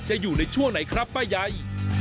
อยู่ในช่วงไหนครับป้าใย